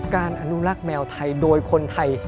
อนุรักษ์แมวไทยโดยคนไทย